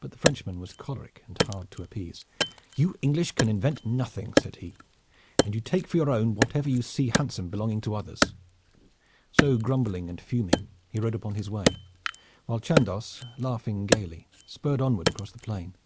But the Frenchman was choleric and hard to appease. "You English can invent nothing," said he, "and you take for your own whatever you see handsome belonging to others." So, grumbling and fuming, he rode upon his way, while Chandos, laughing gayly, spurred onward across the plain.